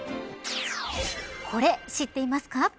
これ、知っていますか。